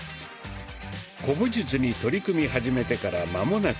古武術に取り組み始めてからまもなく２か月。